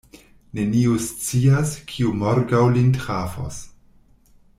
Neniu scias, kio morgaŭ lin trafos.